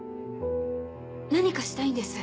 何かしたいんです。